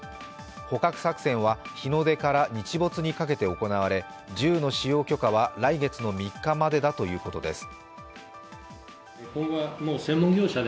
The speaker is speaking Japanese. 捕獲作戦は日の出から日没にかけて行われ銃の使用許可は来月の３日までだということです。